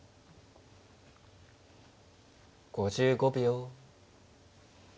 ５５秒。